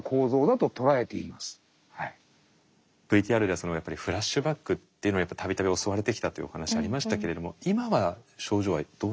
ＶＴＲでフラッシュバックっていうのを度々襲われてきたというお話ありましたけれども今は症状はどうなんですか？